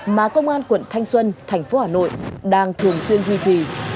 mà công an quận thanh xuân thành phố hà nội đang thường xuyên duy trì